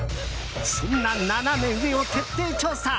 そんなナナメ上を徹底調査。